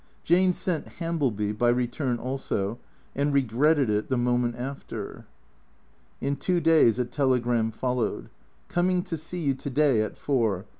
Jane sent Hambleby (by return also) and regretted it the moment after. In two days a telegram followed. " Coming to see you to day at four.